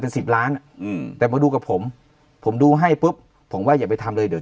เป็นสิบล้านอ่ะอืมแต่มาดูกับผมผมดูให้ปุ๊บผมว่าอย่าไปทำเลยเดี๋ยว